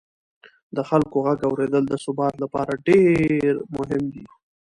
د خلکو غږ اورېدل د ثبات لپاره مهم دي